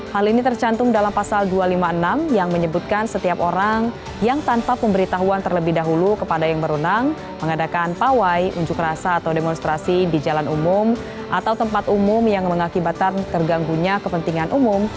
hal ini tercantum dalam pasal dua ratus lima puluh enam yang menyebutkan setiap orang yang tanpa pemberitahuan terlebih dahulu kepada yang berwenang mengadakan pawai unjuk rasa atau demonstrasi di jalan umum atau tempat umum yang mengakibatkan terganggunya kepentingan umum